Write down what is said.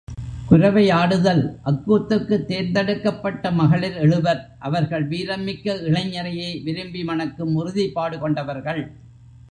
குரவையாடுதல் அக்கூத்துக்குத் தேர்ந்தெடுக்கப்பட்ட மகளிர் எழுவர் அவர்கள் வீரம் மிக்க இளைஞரையே விரும்பி மணக்கும் உறுதிப்பாடு கொண்டவர்கள்.